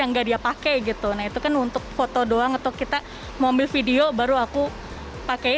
enggak dia pakai gitu nah itu kan untuk foto doang atau kita mau ambil video baru aku pakai